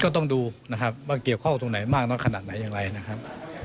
ต้องดูนะครับว่าเกี่ยวข้องตรงไหนมากน้อยขนาดไหนอย่างไรนะครับ